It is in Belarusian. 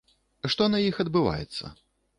Што на іх адбываецца?